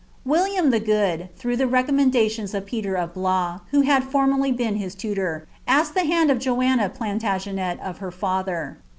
William the Good, through the recom lendations of Peter of Blois, (who had formerly been his tutor,) asked le liand of Joanna Plantagenet of her father.